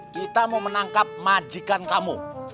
kita mau menangkap majikan kamu